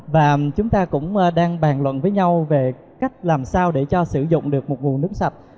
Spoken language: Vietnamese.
và chúng ta cũng đang bàn luận với nhau về cách làm sao để cho sử dụng được một nguồn nước sạch